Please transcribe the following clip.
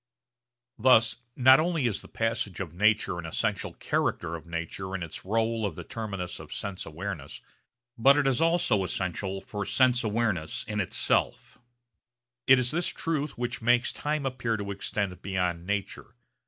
Thus not only is the passage of nature an essential character of nature in its rôle of the terminus of sense awareness, but it is also essential for sense awareness in itself. It is this truth which makes time appear to extend beyond nature.